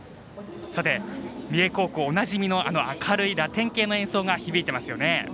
さて、三重高校おなじみの明るいラテン系の演奏が響いていますよね。